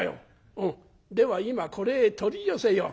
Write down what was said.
「うんでは今これへ取り寄せよう」。